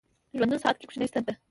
ژوندون ساعت کې کوچنۍ ستن ده